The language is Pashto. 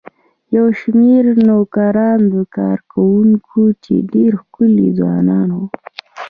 یو شمېر نوکران او کارکوونکي چې ډېر ښکلي ځوانان وو.